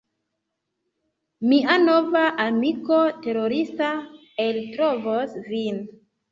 Mia nova amiko terorista eltrovos vin!